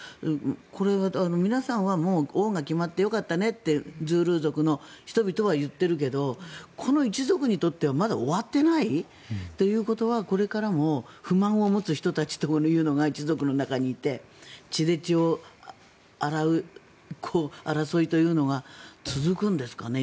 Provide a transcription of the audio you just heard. これがもう王が決まってよかったねってズールー族の人々は言っているけどこの一族にとってはまだ終わってないということはこれからも不満を持つ人たちというのが一族の中にいて血で血を洗う争いというのが続くんですかね。